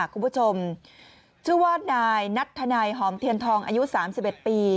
คุณผู้ชมชื่อว่านายนัทธนัยหอมเทียนทองอายุ๓๑ปี